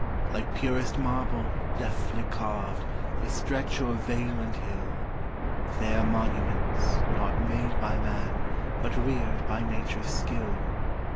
Like purest marble, deftly carv'd, They stretch o'er vale and hill, Fair monuments, not made by man, But rear'd by nature's skill.